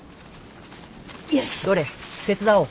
どれ手伝おう。